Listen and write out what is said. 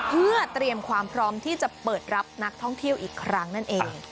เพื่อเตรียมความพร้อมที่จะเปิดรับนักท่องเที่ยวอีกครั้งนั่นเอง